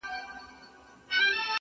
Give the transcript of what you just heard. خدایه مینه د قلم ور کړې په زړو کي ،